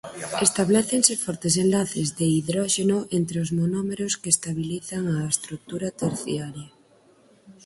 Establécense fortes enlaces de hidróxeno entre os monómeros que estabilizan a estrutura terciaria.